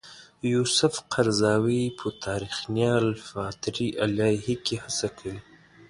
یوسف قرضاوي په تاریخنا المفتری علیه کې هڅه کوي.